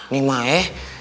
nih mak eh